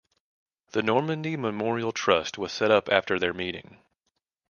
The Normandy Memorial Trust was set up after their meeting.